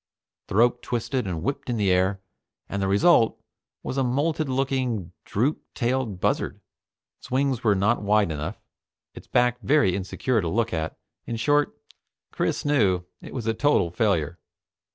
The rope twisted and whipped in the air, and the result was a molted looking, droop tailed buzzard. Its wings were not wide enough, its back very insecure to look at. In short, Chris knew, it was a total failure.